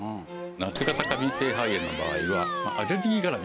夏型過敏性肺炎の場合はアレルギー絡みなんですね。